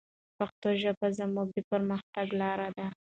پښتو ژبه زموږ د پرمختګ لاره ده.